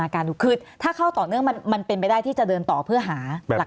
การดูคือถ้าเข้าต่อเนื่องมันเป็นไปได้ที่จะเดินต่อเพื่อหาหลัก